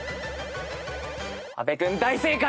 阿部君大正解。